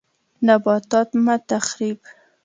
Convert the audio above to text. نباتات مه تخریب